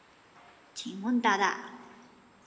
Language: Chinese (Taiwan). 請問大大